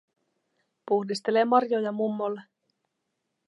Puhdistelee marjoja mummolle.